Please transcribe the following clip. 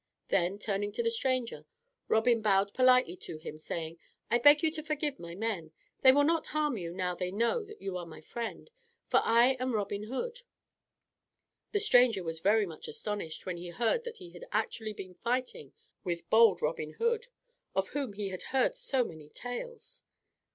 Then turning to the stranger, Robin bowed politely to him, saying, "I beg you to forgive my men. They will not harm you now they know that you are my friend, for I am Robin Hood." The stranger was very much astonished when he heard that he had actually been fighting with bold Robin Hood, of whom he had heard so many tales.